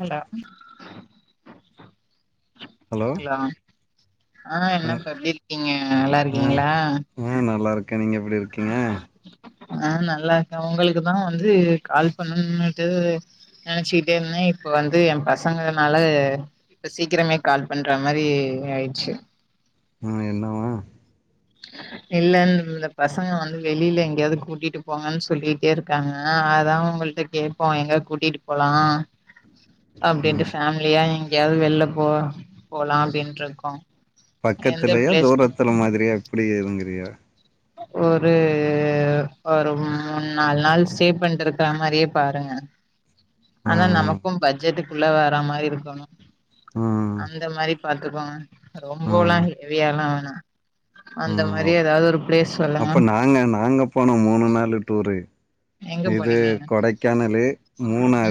Hello hello ஆ என்னப்ப எப்படி இருக்கீங்க நல்லா இருக்கீங்களா ப்படி இருக்கீங்க ஆஹ் நல்லா இருக்கேன் உங்களுக்குதான் வந்து கால் பண்ணட்டு நினைச்சக்கிட்டே இருந்தேன் இப்ப வந்து என் பசங்கனால இப்ப சீக்கிரமே கால் பண்ற மாதிரி ஆயிடுச்சு [unintelligible] ம் என்வ இல்ல இந்த பசங்க வந்து வெளியில எங்கேயாவது கூட்டிட்டு போங்கன்னு சொல்லிட்டே இருக்காங்க அதான் உங்களிட்ட கேட்போம் எங்கேயாவது கூட்டிட்டு போலாம் ஆ அப்படின்ட்டு ஃபேமிலியா எங்கேயாவது வெளியில போ போலாம் அப்படட்டு இருக்கோ [unintelligible] பக்கத்துலயா தூரத்துல மாதிரியா இப்படி ஏதுங்கிறியா ஒரு ஒரு மூணு நாலு நாள் ஸ்டே பண்ணிட்டு இருக்குற மாதிரியே பாருங்க ஆ ஆனா நமக்கும் பட்ஜெட்டு உள்ள வேற மாதிரி இருக்கணும்............. ஆ அந்த மாதிரி பாத்துக்கோங்க. ஆ ரொம்போளா.. பியலர்லா வேணா ஆ அந்த மாரி ஏதாவது ஒரு பிளேஸ் சொல்லுங்க அப்ப நாங்க நாங்க போனோ மூணு நாலூ டூரு எங்க இது போனீங்க கொடைக்கானலு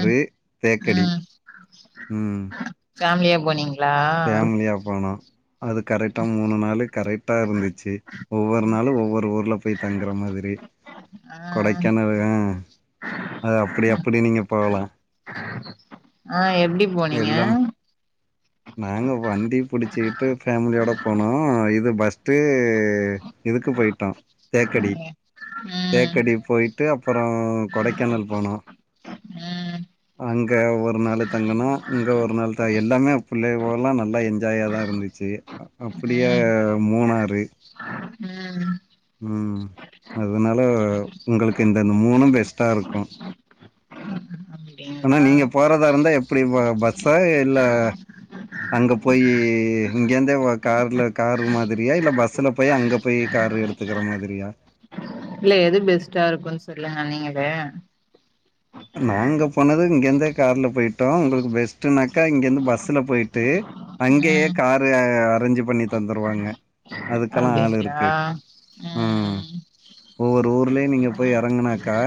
ம் தேக்கடி உம் பேஃமிலியா போனீங்க ஃபேமிலியா போனோம் அது கரெக்டா மூணு நாள் கரெக்ட் [unintelligible] இருந்துச்சி ஒவ்வொரு நாளும் ஒவ்வொரு ஊரு ல போய் தங்குற மாதிரி ஆ கொடைக்கானல் ஹ அது அப்படி அப்படி நீங்க போகலா. ஆ எப்டி போனீங்க எல்லாம் நாங்க வண்டி புடிச்சிகிட்டு ஃபேமிலியோட போனோ இது பஸ் [unintelligible] எதுக்கு போயிட்டோ தேக்கடி ம் தேக்கடி போயி. விட்டு அப்ரோ கொடைக்கானல் போனோ ம் அங்க ஒரு நாலூ தங்கநோ இங்க ஒரு நாள் த எல்லாமே பிள்ளையோல நல்ல என்ஜாயாதான் இருந்துச்சு அப்படியே ம் மூணாறு ம் உம் அதனால உங்களுக்கு இந்த மூணும் பெஸ்ட்டா இருக்கோ ஆனா அப்டிங்களா நீங்க போறதாயிருந்தா எப்டி பா பஸ்சா இல்ல அங்க போயி இங்கந்தே கார்ல காரு மாதிரியா இல்ல பஸ்ல போய் அங்க போய் காரு எடுத்துக்கிற மாதிரியா இல்ல எது பெஸ்ட்டா இருகோ சொல்லுங்க நீங்கள நாங்க போனதுு இங்கந்தே கார்ல போயிட்டோ உங்களுக்கு பெஸ்டுனாக்கா இங்கந்து பஸ்ல போயிட்டு அங்கேயே ம் காரு அரேஞ்சு பண்ணி தந்துருவாங்க அதுக்கெல்லா ஆள் அப்டிங்களா இருக்கு ம் ஒவ்வொரு ஊர்லேயும் நீங்க போய் இறங்கனாக்கா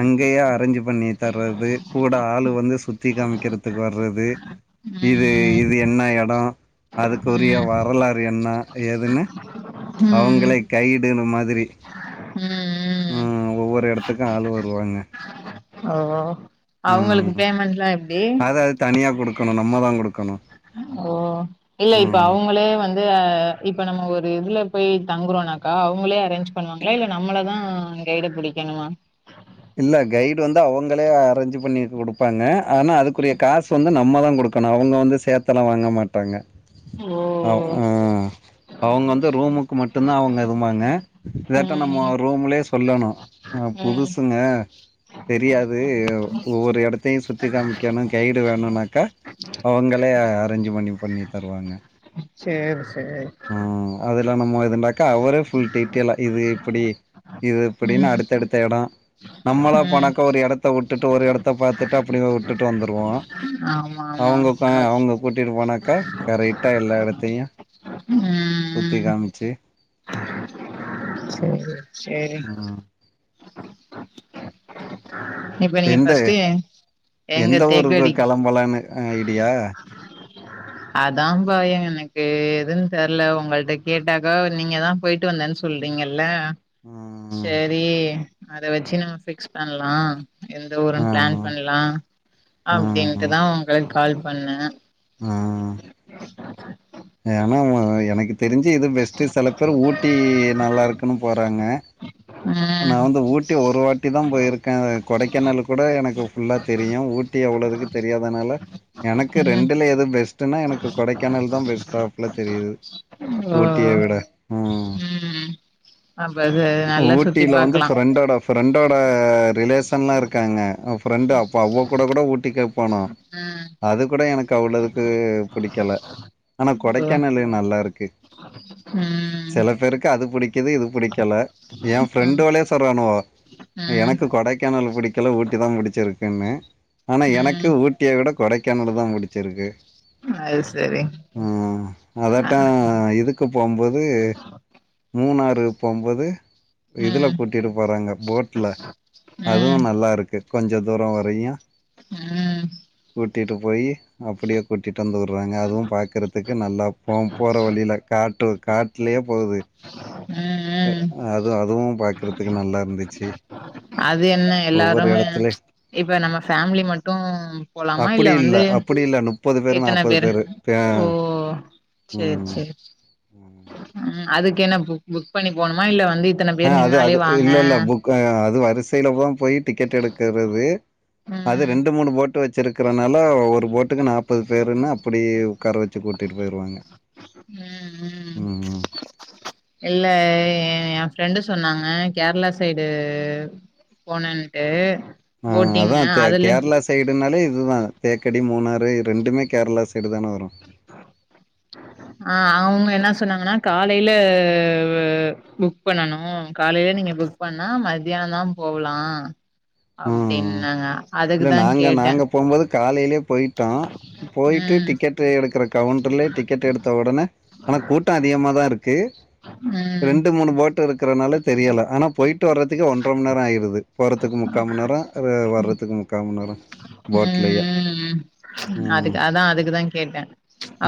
அங்கேயே அரேஞ்சு பண்ணி தர்றது கூட ஆளு வந்து சுத்தி காமிக்கறதுக்கு வர்றது இது ம் இது என்ன எடம் அதுக்குரிய ம் வரலாறு என்ன ஏதுன்னு ம் அவங்களே கைடுன்னு மாதிரி ம் உம் ஒவ்வொரு எடத்துக்கு ஆள் வருவாங்க ம். அவுங்களுக்கு பேமெண்ட்லா எப்டி கணு நம்ம தா குடுக்கணு ஓ இல்ல இப்ப அவுங்களே வந் இப்ப நம்ம ஒரு இதுல போய் தங்குறோனாக்கா அவுங்களே அரேஞ்ச் பண்ணுவாங்ளா இல்ல நம்மளதா கைடு புடிக்கணுமா இல்ல கைடு வந்து அவங்களே அரேஞ்ச் பண்ணி குடுப்பாங்க ஆனா அதுக்குரிய காசு வந்து நம்ம தான் குடு குடுக்கணும் அவங்க வந்து சேத்தெலா வாங்க மாட்டாங்க ஆம் ஓ ஹ அவங்க வந்து ரூமுக்கு மட்டும்தா அவங்க எதுபாங்க டேரக்ட்டா நம்ம ம் ரூம்லே உல்லணு ஹ ம் புதுஸ் தெரியாது ஒவ்வொரு இடத்தையும் சுத்தி காமிக்கணும் கைடு வேணும்னாக்கா அவங்களே அரேஞ்ச்பண்ணி பண்ணி தருவாங்க செரி செரி இதுண்டாக்க அவரே ஃபுல் டீடைலா இது இப்டி இது இப்டின்னா ம் அடுத்தடுத்த இடம் நம்மளா ம் போணாக்க ஒரு இடத்த விட்டுட்டு ஒரு இடத்த பாத்துட்டு அப்டிய விட்டுட்டு வந்துருவோம் ஆமா ஆமா போனாக்கா [inaudible] கரெக்டா எல்லா எடத்தையு ம் ம் சுத்தி ம் [inaudible] செரி செரி சேரிண் ம் இப்ப நீங்க எந்த ஃபஸ்ட்டு எங்க எந்த ஒரு ஊருக்கு தேக்கடி கிளம்பலன்னு ஆ ஐடியா அதான் பா எனக்கு எதுன்னு தெரல உங்களட்ட கேட்டாக்கா நீங்கதான் போயிட்டு வந்தேன்னு சொல்றீங்கல்ல ம் செரி அத வச்சு நம்ம பிக்ஸ் பண்ணலாம் எந்த ஊருனு பிளான் ம் பண்ணலாம் ம் அப்டின்ட்டுதான் உங்களுக்கு கால் பண்ணு ம் ம் ஏன்னா எனக்கு தெரிஞ்சு இது பெஸ்ட்டு சில பேர் ஊட்டி நல்லா இருக்குன்னு போறாங்க நான் ம் வந்து ஊட்டி ஒரு வாட்டி தான் போய்ருக்கேன் கொடைக்கானல் கூட எனக்கு ஃபுல்லாக தெரியும் ஊட்டி அவ்வளோதுக்கு தெரியாதனால எனக்கு ம் ரெண்டுல எது பெஸ்ட்னா எனக்கு கொடைக்கானல் தான் பெஸ்ட் ஸ்டாப்புல தெரியுது ஓ ஊட்டியவிட ம் அப்ப அது நல்லா சுத்தி ஊட்டில வந்து பாக்கலா பிரண்டொட பிரண்டொ ட ரிலேஷன் லாம் இருக்காங்க பிஃரெண்டு அப்பா அவ கூட கூட ஊட்டிக்கே போனும் ம் அது கூட எனக்கு அவ்வளதுக்கு பிடிக்கல ஆனா ஓ கொடைக்கானலு நல்லா இருக்கு ம் சில பேருக்கு அது பிடிக்குது இது பிடிக்கல என் ஃப்ரெண்டு ம் வழே சொல்றானுவோ ம் எனக்கு கொடைக்கானல் பிடிக்கல ஊட்டி தான் பிடிச்சிருக்குன்னு ஆனா எனக்கு ம் ஊட்டிய விட கொடைக்கானல் தான் புடிச்சிருக்கு அது சரி ஆ ம் அ அதட்ட இதுக்கு போவும்போது மூணாறு போம்பது இதுல ம் கூட்டிட்டு போறாங்க போட்ல ம் அதுவும் நல்லா இருக்கு கொஞ்சம் தூரம் வரயும் ம் கிட்ட போயி அப்டியே கூட்டிட்டு வந்து இருக்கறதுக்கு நல்லா போ போற வழியில காட்டு காட்லயே போகுது ம் அ ம் அதுவு அதுவு பாக் இருக்கது நல்லா இருந்துச்சு அது என்ன ஒவ்வொரு எலாலோரும் இடத்துலயும் இப்போ நம்ம ஃபேமிலி மட்டும் போலாமா அப்படி இல்ல வந்து அப்படி இல்ல. பேரு, இத்தனை பேர் பேரு. அ ஓ செரி ம். செரி ம் அதுக்கு க்கென்ன புக் புக் புக் பண்ணி போணுமா இல்ல வந்து இத்தனை அ பேர் அது நின்னாலே அது வாங்க இல்ல, இல்ல. புக் அது வரிசையிலதா போய் டிக்கெட் எடுக்கிறது அது ம் ரெண்டு மூணு போட் போ வச்சிருக்கறனால ஒரு வச்சு இருக்கிறதுனால ஒரு போட்டுக்கு நாற்பது பேருனு அப்டி உட்கார வச்சு கூட்டிட்டு போயிருவாங்க ம் இல்ல ஏன் ஃப்ரெண்டு சொன்னாங்க கேரளா சைடு போனேன்ட்டு ஆஹ் அதா கே கேரளா சைடுனாலே இதுதான் தேக்கடி மூணாறு இ ரெண்டுமே கேரளா சைடுதான வரு ஆஹ் அவுங்க என்ன சொன்னாங்கன்னா காலையில புக் பண்ணனு காலையில நீங்க புக் பண்ணா மத்தியானோ போலா ம். அப்டின்னாங்க இல்ல அதுக்குதா நாங்க கேட்டே நாங்க போகும்போது காலையிலயே போயிட்டோம் போயிட்டு ம் டிக்கெட் எடுத் கவுண்டர்லயே டிக்கெட் எடுத்த உடனே ஆனா கூட்டம் அதிகமாதா இருக்கு உம் இருக்கறனால தெரியல ஆனா போயிட்டு வரதுக்கு ஒன்ர மணிநேர ஆயிருது போறதுக்கு முக்காமணி நேரம் வர்றதுக்கு முக் உஹம் உ ம். அதுக்கு அதான் அதுக்குதான் கேட்டேன்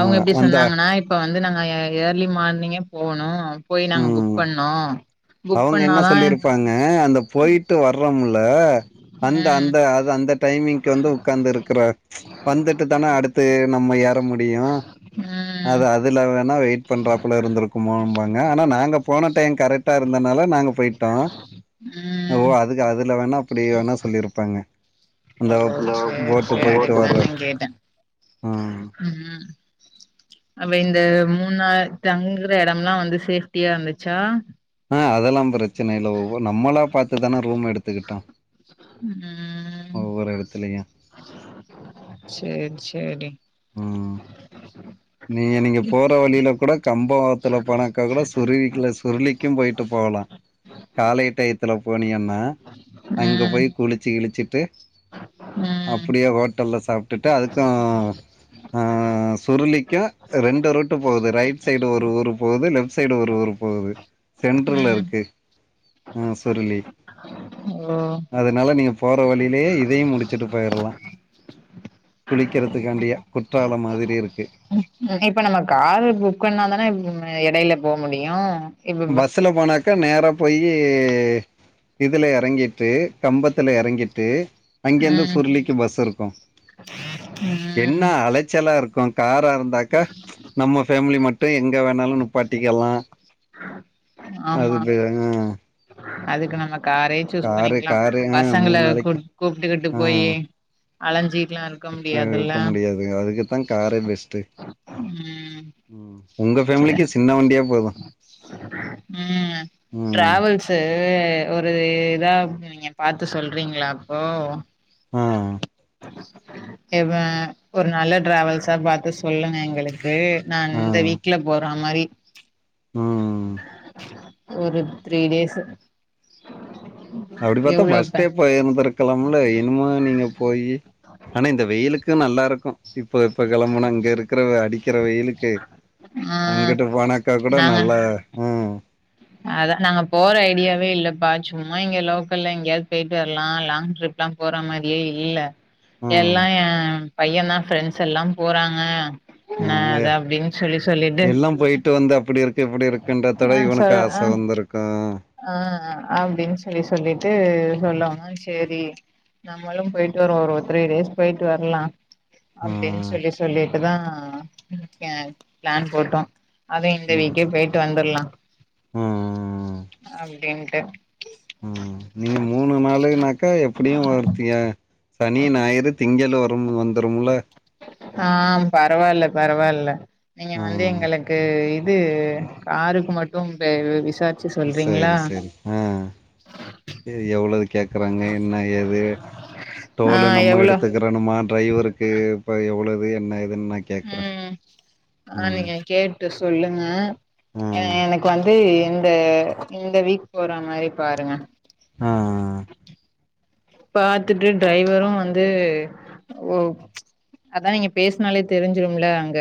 அ எப்படி அந்த சொன்னாங்கன்னா இப்ப வந் வந்து நாங்க ஏர்லி மார்னிங்கே போனும் போய் நாங்க ம் புக் பண்ணோம் அவங்க என்ன சொல்லிருப்பாங்க அந்த போய்டிட்டு வ அந்த ம் அந்த அதுஅந்த டைமிங் வந்து உட்கார்ந்து இருக்க வந்துட்டு தானே அடுத்து நம்ம ஏற முடியும் அ ம் அதுல வேணா வெயிட் பண்றாப்பல இருந்திருக்குமோபாங்க ஆனா நாங்க போன டைம் கரெக் டா இருந்தனால நாங்க போயிட்டோம் ம் ஓ அதுக்கு அதுல வேணா அப்படி வேணா சொல்லிருப்பாங்க அந்த சரி போட்டு சரி போயிட்டு அதுக்கு தான் வர்றோ நா கேட்டேன் ம் அப இந்த மூணு நாள் தங்குற இடம் எல்லாம் வந்து சேப்டியா இருந்துச்சா ஆஹ் அதெல்லாம் பிரச்சனை இல்ல ஒவ்வ நம்மளா பார்த்துதானே ரூம் எடுத்துக்கிட்டோம் ம் வொவ்வொறு எடத்துலய்யும் சரி உம் நீங்க நீங்க போற வழியில கூட கப் இப்ப போனாக்கா கூட சுருவீக்ல சுருளிக்கும் போயிட்டு போகலாம் காலை டயத்துல போய பனியண்ண அங்கே ம் போய் குளிச்சு கழிச்சிட்டு ம் அப்புடியே ஹோட்டல்ல சாப் விட்டு அதுக்கும் அஹ்ம் சுருளி அஹ் ரெண்டு ரூட்டு போகுது ரைட் சைடு ஒரு ஊர் போகுது லெப்ட் சைடு ஒரு ஊர் போகுது சென்ட்ரல் ம் இருக்கு ஆஹ சொர்லி ஓ அதனால நீங் போற வழியிலேயே இதையும் முடிச்சுட்டு போயிரலாம் குளிக்கிறதுக்காண்டிய குற்றாலம் மாதிரி இருக்கு இப்ப நம்ம காரு புக் பண்ணாாதானே இடையில போ முடியும் பஸ்ல போனாக்கா நேர போயி இதுல இறங்கிட்டு கம்பத்துல இறங்கிட்டு அங்கிருந்து ம் சுருளிக்கு பஸ் இருக்கும் ம் என்ன அலைச்சலா இருக் கோஞ் தயார இருந்தாக்க நம்ம ஃபமிலி மட்டும் எங்க வேணாலும் நுப்பாட்டிக்க எல்லாம் அது ஆமா போங்க அதுக்கு நம்ம காரே சூஸ் பண்ணிக்கலாம் காரு ஆ பசங்கள மூணு கூ நாளைக்கு கூப்பிட்டுக்கிட்டு ஆ போயி அளஞ்சி [unintelligible] இருக்க முடியாது அதுக்குத்தா காரே பெஸ்ட்டு உம் உம் ம் டிராவல்சு ஒரு இதா நீங்க பாத்து சொல்றீங்களா அப்போ ஆஹ் இவ ஒரு நல்ல டிராவல்ஸா பாத்து சொல்லுங்க எங்களுக்கு அது நா இந்த வீ அது மாரி ம் ம் ஒரு த்ரீ டேஸு அப்டி பாத்தா பஸ்ட்டே போயிருந்துருக் கெளம்புல இனிமே நீங்க போயி ஆனா இந்த வெயிலுக்கு நல்லா இருக்கு இப்போ இப்ப கெளம்புனா இங்க இருக்கிற அடிக்கிற வெயிலுக்கு ஆ அங்கிட்டு போனாக்கா கூட நாங்க நல்லா உம் அதா நாங்க போற ஐடியாவே இல்லப்பா சும்மா இங்க லோக்கல்ல எங்கயாவது போயிட்டு வரலா லாங் ட்ரிப்லா போற மாரியே இல்ல ம் எல்லா ஏ பையந்தா ஃப்ரெண்ட்ஸ் எல்லா போறாங்க நா ம் அத அப்டின்னு சொல்லி சொல்லிட்டு ட்டு வந்தப் இப்டி இருக்கு இப்டி இருக்குன்றதோட ஆ சொ இவனுக்கு ஆச ஆ வந்திருக்கு ஆ அப்டின்னு சொல்லி சொல்லிட்டு சொன்னாங்க சேரி நம்மளு போயிட்டு வருவோ ஒரு த்ரீ டேஸ் போயிட்டு வரலா அப்டின்னு ம் சொல்லி சொல்லி இப்பதா ஆ பிளான் போட்டோ அதும் இந்த வீக்கே போயிட்டு வந்துருலா ம் ம் ம் அப்டின்ட்டு ம் நீங்க மூணு நாளுனாக்கா எப்பிடியு [unintelligible] சனி ஞாயிறு திங் இங்கல வரும் வந்துரும்ல ஆஹ் பரவாயில்ல பரவாயில்ல நீங்க வந்து ம் எங்களுக்கு வந்து காருக்கு மட்டும் பேரு சரி சரி ஆஹ் இது எவ்வளவு கேக்குறாங்க என்ன ஏது ஆ டோலு நம்ம எவ்ளோ எடுத்துக்கிறணுமா டிரைவருக்கு இப்ப எவ்வளவு என்ன ஏதுன்னு நா கேக்குறே உம் அத ம் நீங்க கேட்டு சொல்லுங்க ம் எனக்கு வந்து இந்த இந்த வீக் போற மாதிரி பாருங்க ஆஹ் பாத்துட்டு டிரைவரும் வந்து அதான் நீங்க பேசுனாலே தெரிஞ்சிரும்ல அங்க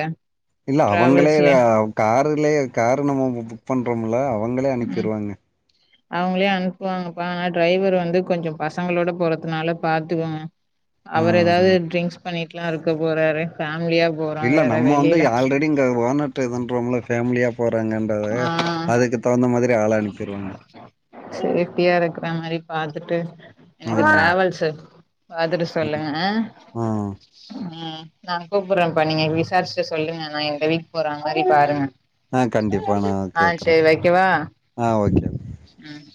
இல்ல அவங்களே டிராவல்ஸ்ல காருலே காரு நம்ம புக் பண்றோம்ல அவங் அவங்களே ம் அனுப்பிடுவாங்க அவங்களே அனுப்புவாங்கப்பா ஆனா டிரைவர் வந்து கொஞ்சம் பசங்களோட போறதுனால பாத்துக்கோங்க அவர் ஏதாவது ம் ட்ரிங்க்ஸ் ண்ணிட்டுலா இருக்க போறாரு பேம்பன் இல்ல நம்ம வந்து ஆல்ரெடி இங்க ஓனர்கிட்ட பன்றோமுல்ல பேமிலியா போறாங்கன்றது ஆ அதுக்கு தகுந்த மாதிரி ஆள அனுப்பிருவாங்க சேப்டியா இருக்கற மாதிரி பாத்துட்டு எனக்கு ம் டிராவல்ஸ் பாத்துட்டு ம் சொல்லுங்க ம் உஹ் உம் நான் கூப்புடுறேப்பா நீங்க விசாரிச்சுட்டு சொல்லுங்க நான் இந்த வீக் போறா மாரி பாருங்க ஆ ஆஹ் செரி வைக்கவா ஆஹ் ஓக்கே ச்சி